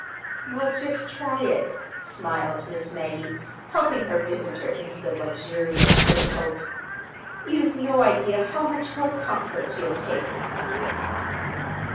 "Well, just try it," smiled Miss Maggie, helping her visitor into the luxurious fur coat. "You've no idea how much more comfort you'll take."